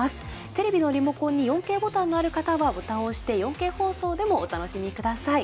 テレビのリモコンに４Ｋボタンのある方はボタンを押して４Ｋ放送でもお楽しみください。